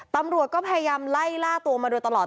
ตำรวจก็พยายามไล่ล่าตัวมาโดยตลอด